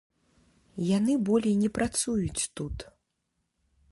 Яны болей не працуюць тут.